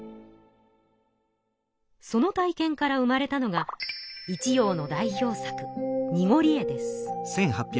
その体験から生まれたのが一葉の代表作「にごりえ」です。